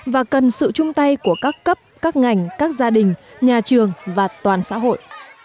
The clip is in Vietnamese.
và cần sự chung tay của các cấp các ngành các gia đình nhà trường và toàn xã hội